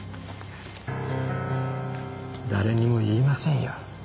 誰にも言いませんよ